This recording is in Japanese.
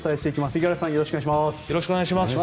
五十嵐さんよろしくお願いします。